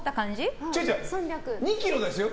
２ｋｇですよ？